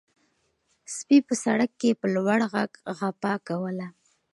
سپي په سړک کې په لوړ غږ غپا کوله.